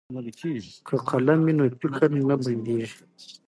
که قلم وي نو فکر نه بندیږي.